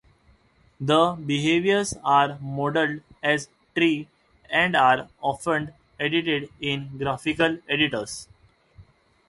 The behaviors are modeled as trees, and are often edited in graphical editors.